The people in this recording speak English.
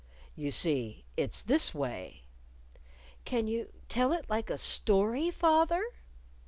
"You see it's this way:" "Can you tell it like a story, fath er?"